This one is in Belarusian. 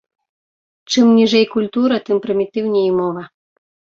Чым ніжэй культура, тым прымітыўней і мова.